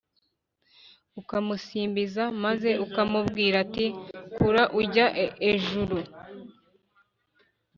akamusimbiza maze akamubwira ati: “Kura ujya ejuru